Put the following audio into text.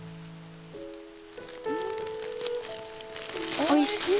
おいしい！